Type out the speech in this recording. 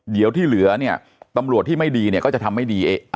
เดี๋ยวที่เหลือตำรวจที่ไม่ดีก็จะทำไม่ได้